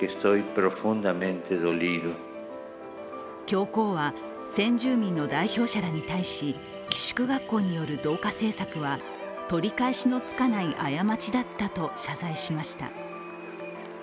教皇は先住民の代表者らに対し、寄宿学校による、同化政策は取り返しのつかない過ちだったと謝罪しました。